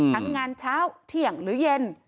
ทั้งงานเช้าเที่ยงหรือเย็น